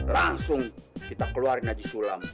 langsung kita keluarin haji sulam